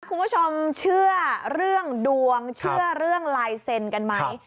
คุณผู้ชมเชื่อเรื่องดวงเชื่อเรื่องลายเซ็นกันไหม